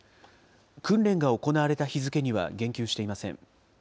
訓練が行われた日付には言及していません。